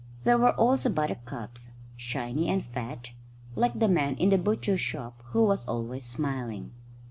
There were also buttercups, shiny and fat, like the man in the butcher's shop who was always smiling.